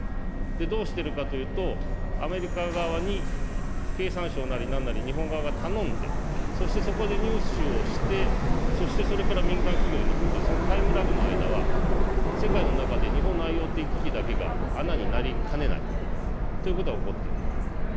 どうしてるかというと、アメリカ側に経産省なりなんなり、日本側が頼んで、そして、そこで入手をして、そしてそれから民間企業に行くと、そのタイムラグの間は、世界の中で日本のＩｏＴ機器だけが穴になりかねないということが起こっている。